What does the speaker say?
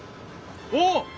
おっ！